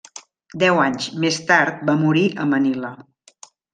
Deu anys més tard va morir a Manila.